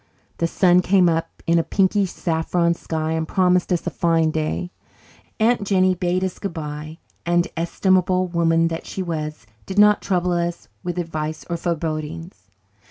The sun came up in a pinky saffron sky and promised us a fine day. Aunt Jennie bade us goodbye and, estimable woman that she was, did not trouble us with advice or forebodings.